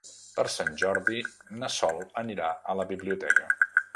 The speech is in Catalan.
Per Sant Jordi na Sol anirà a la biblioteca.